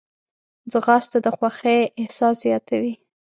ځغاسته د خوښۍ احساس زیاتوي